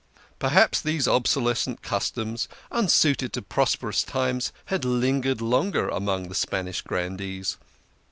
Perhaps these obsolescent customs, unsuited to prosperous times, had lingered longer among the Spanish grandees.